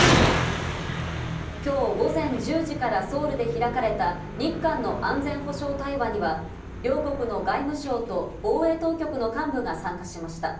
今日午前１０時からソウルで開かれた日韓の安全保障対話には両国の外務省と防衛当局の幹部が参加しました。